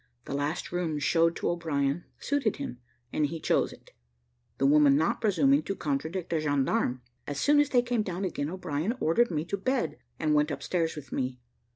The last room showed to O'Brien suited him, and he chose it the woman not presuming to contradict a gendarme. As soon as they came down again, O'Brien ordered me to bed, and went upstairs with me.